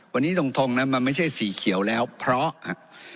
วันนี้ตรงนะมันไม่ใช่สีเขียวแล้วเพราะครับ